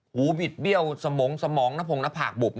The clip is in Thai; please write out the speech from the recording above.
บิดเบี้ยวสมองสมองหน้าผงหน้าผากบุบ